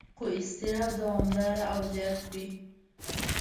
خو اضطراب دوامداره او زیات وي.